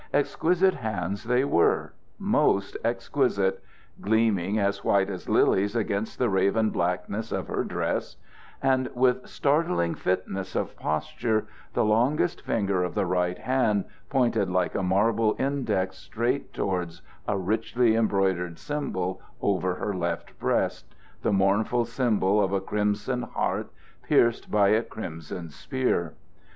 Exquisite hands they were most exquisite gleaming as white as lilies against the raven blackness of her dress; and with startling fitness of posture, the longest finger of the right hand pointed like a marble index straight towards a richly embroidered symbol over her left breast the mournful symbol of a crimson heart pierced by a crimson spear.